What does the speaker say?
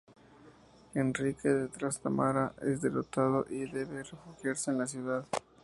Enrique de Trastámara es derrotado y debe refugiarse en la ciudad.